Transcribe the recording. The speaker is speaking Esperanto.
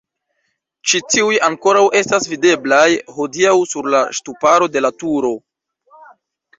Ĉi tiuj ankoraŭ estas videblaj hodiaŭ sur la ŝtuparo de la turo.